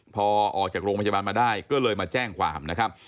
พอออกจากโรงพยาบาลมาได้ก็เลยมาแจ้งความนะครับ